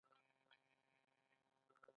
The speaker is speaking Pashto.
آیا د معاشونو ورکړه بانکي شوې؟